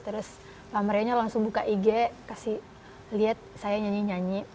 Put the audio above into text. terus pak mario nya langsung buka ig kasih lihat saya nyanyi nyanyi